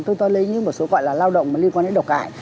tôi toán lấy những một số gọi là lao động liên quan đến độc hại